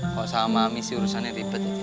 kalo sama mami sih urusannya ribet